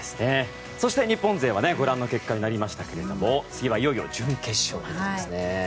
そして日本勢はご覧の結果となりましたが次はいよいよ準決勝ということですね。